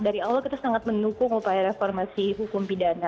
dari awal kita sangat mendukung upaya reformasi hukum pidana